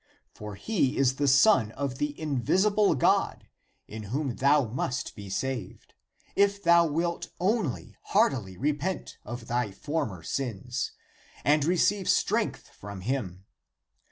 For he is the son of the invisible God, in whom thou must be saved, if thou wilt only heartily repent of thy former sins ; and re ceive strength from him.